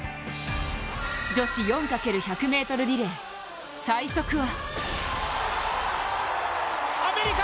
女子４×１００ｍリレー、最速は？